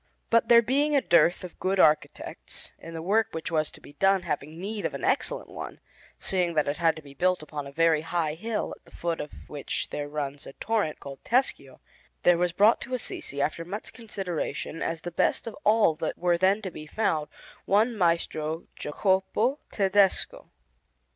But there being a dearth of good architects, and the work which was to be done having need of an excellent one, seeing that it had to be built upon a very high hill at the foot of which there runs a torrent called Tescio, there was brought to Assisi, after much consideration, as the best of all that were then to be found, one Maestro Jacopo Tedesco.